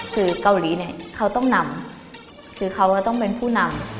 เกาหลีต้องนำคือเขาก็ต้องเป็นผู้นำ